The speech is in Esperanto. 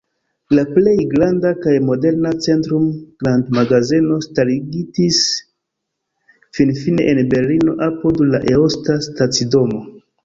La plej granda kaj moderna Centrum-grandmagazeno starigitis finfine en Berlino apud la Eosta stacidomo.